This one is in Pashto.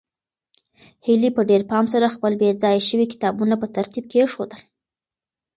هیلې په ډېر پام سره خپل بې ځایه شوي کتابونه په ترتیب کېښودل.